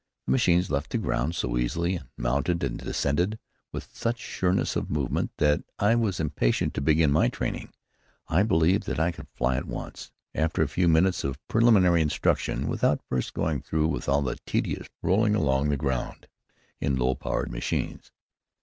The machines left the ground so easily, and mounted and descended with such sureness of movement, that I was impatient to begin my training. I believed that I could fly at once, after a few minutes of preliminary instruction, without first going through with all the tedious rolling along the ground in low powered machines.